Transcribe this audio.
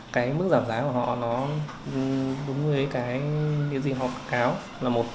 cái mức giảm giá của họ nó đúng với cái gì họ báo cáo là một